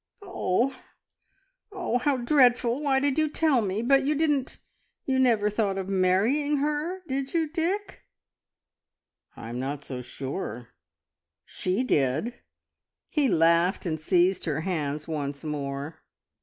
"Oh! oh! How dreadful! Why did you tell me? But you didn't you never thought of marrying her, did you, Dick?" "I'm not so sure. She did!" He laughed, and seized her hands once more.